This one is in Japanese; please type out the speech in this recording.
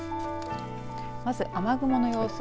まず雨雲の様子